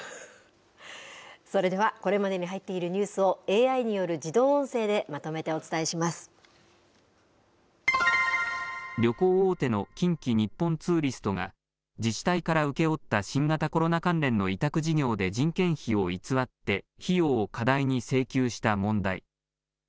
それでは、これまでに入っているニュースをＡＩによる自動音声でまとめてお旅行大手の近畿日本ツーリストが、自治体から請け負った新型コロナ関連の委託事業で人件費を偽って、費用を過大に請求した問題。